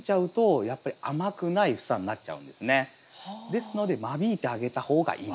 ですので間引いてあげた方がいいんです。